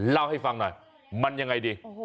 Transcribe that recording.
เล่าให้ฟังหน่อยมันยังไงดี